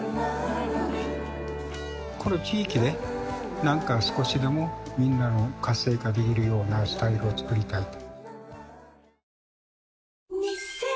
この地域でなんか少しでもみんなの活性化できるようなスタイルを作りたいと。